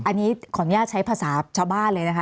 อันนี้ขออนุญาตใช้ภาษาชาวบ้านเลยนะคะ